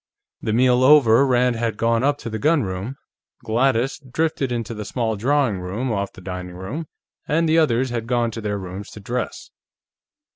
The meal over, Rand had gone up to the gunroom, Gladys drifted into the small drawing room off the dining room, and the others had gone to their rooms to dress.